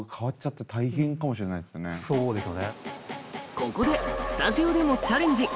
ここでスタジオでもチャレンジ！